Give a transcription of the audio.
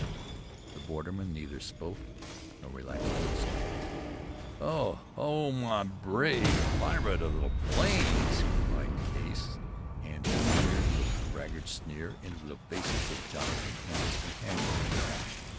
The borderman neither spoke, nor relaxed a muscle. "Ho! ho! my brave pirate of the plains!" cried Case, and he leered with braggart sneer into the faces of Jonathan and his companions.